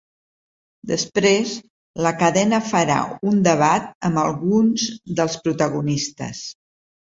Després, la cadena farà un debat amb alguns dels protagonistes.